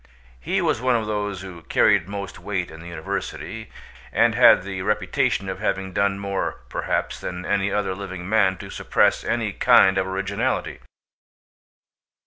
He was one of those who carried most weight in the university, and had the reputation of having done more perhaps than any other living man to suppress any kind of originality.